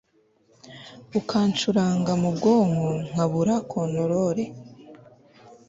ukancuranga m'ubwonko nkabura kontorore